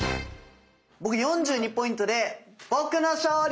僕４２ポイントで僕の勝利！